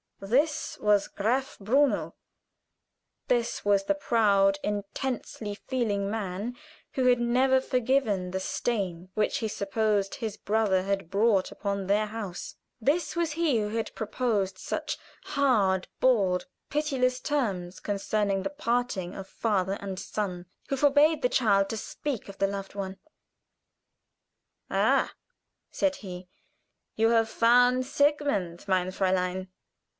This was Graf Bruno; this was the proud, intensely feeling man who had never forgiven the stain which he supposed his brother had brought upon their house; this was he who had proposed such hard, bald, pitiless terms concerning the parting of father and son who forbade the child to speak of the loved one. "Ha!" said he, "you have found Sigmund, mein Fräulein?